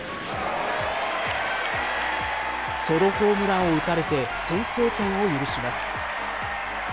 ソロホームランを打たれて、先制点を許します。